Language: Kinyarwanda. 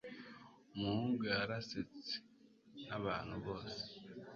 Umuhungu yarasetse nabantu bose.